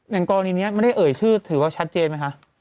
อย่างกรณีนี้ไม่ได้เอ่ยชื่อถือว่าชัดเจนไหมคะ